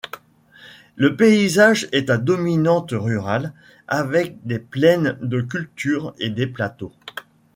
Le paysage est à dominante rurale, avec des plaines de cultures et des plateaux.